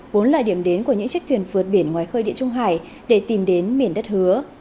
vốn là điểm đến của những chiếc thuyền vượt biển ngoài khơi địa trung hải để tìm đến miền đất hứa